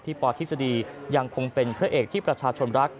ปทฤษฎียังคงเป็นพระเอกที่ประชาชนรัก